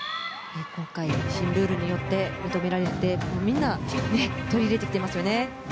今回、新ルールによって認められて、みんな取り入れてきていますよね。